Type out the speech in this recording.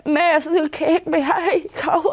แม่ซื้อเค้กไปให้เขา